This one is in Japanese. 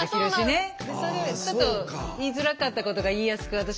ちょっと言いづらかったことが言いやすく私もよくなるし。